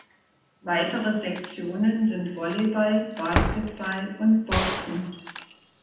Weitere Sektionen sind Volleyball, Basketball und Boxen.